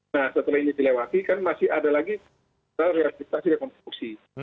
nah setelah ini dilewati kan masih ada lagi realistikasi dan kompleksi